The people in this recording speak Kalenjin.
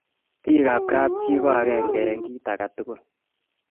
bik ab kap chii ko akenge eng kit akatugul